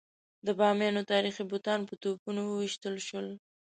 د بامیانو تاریخي بوتان په توپونو وویشتل شول.